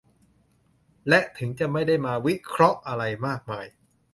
และถึงจะไม่ได้มาวิเคราะห์อะไรมากมาย